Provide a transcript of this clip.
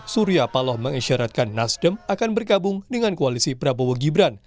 surya paloh mengisyaratkan nasdem akan bergabung dengan koalisi prabowo gibran